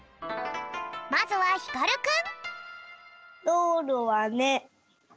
まずはひかるくん。